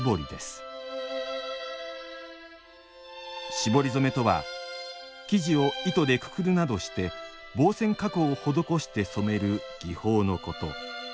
絞り染めとは生地を糸でくくるなどして防染加工を施して染める技法のこと。